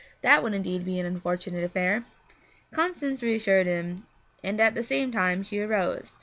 That would indeed be an unfortunate affair! Constance reassured him, and at the same time she arose.